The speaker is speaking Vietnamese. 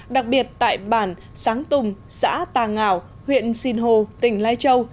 đặc biệt tại bản sáng tùng xã tà ngạo huyện sinh hồ tỉnh lai châu